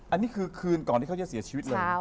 อันนี้คือคืนก่อนที่เขาจะเสียชีวิตเลย